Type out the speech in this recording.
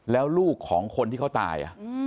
แล้วลูกของคนที่เขาตาย